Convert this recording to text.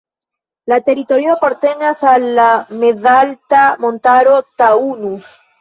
La teritorio apartenas al la mezalta montaro Taunus.